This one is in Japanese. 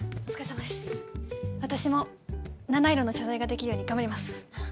私も七色の謝罪ができるように頑張ります。